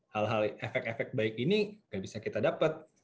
hal hal efek efek baik ini nggak bisa kita dapat